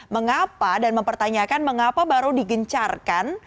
mengapa dan mempertanyakan mengapa baru digencarkan